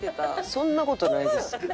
そんな事はないです。